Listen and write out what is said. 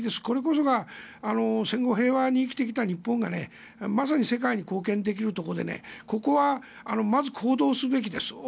これこそが戦後、平和に生きてきた日本がまさに世界に貢献できるところでここはまず、行動すべきです。